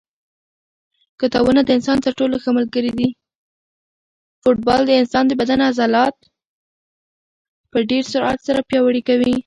فوټبال د انسان د بدن عضلات په ډېر سرعت سره پیاوړي کوي.